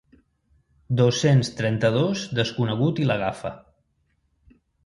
Dos-cents trenta-dos desconegut i l'agafa.